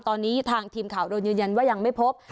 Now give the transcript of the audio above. ตอนนี้ทางทีมข่าวโดนยืนยันว่ายังไม่พบ